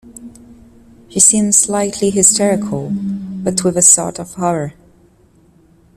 She seemed slightly hysterical, but with a sort of horror.